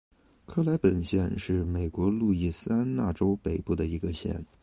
克莱本县是美国路易斯安那州北部的一个县。